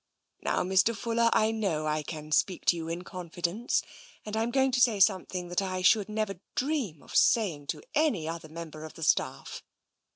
Now, Mr. Fuller, I know I can speak to you in confidence, and I'm going to say something that I should never dream of saying to any other member of the staff.